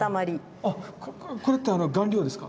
あこれって顔料ですか？